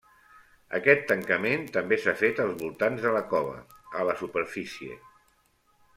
Aquest tancament també s'ha fet als voltants de la cova, a la superfície.